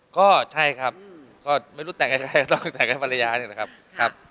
ก็ใช่ครับก็ไม่รู้แต่งให้ใครแต่งให้ภรรยาเลยนะครับ